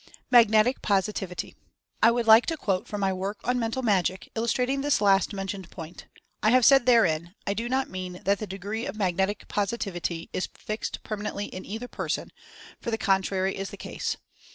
MAGNETIC POSITIVITY. I would like to quote from my work on "Mental Magic," illustrating this last mentioned point. I have said therein : "I do not mean that the degree of Mag netic Positivity is fixed permanently in either person, 60 Impressionability 61 for the contrary is the case.